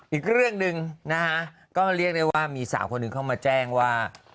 อีกเรื่องนึงนะคะก็เรียกได้ว่ามี๓คนเค้ามาแจ้งว่า